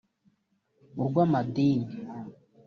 urw’amadini